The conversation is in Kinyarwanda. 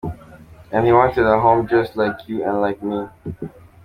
And he wanted a home just like you and like me